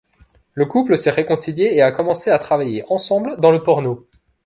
Le couple s'est réconcilié et a commencé à travailler ensemble dans le porno.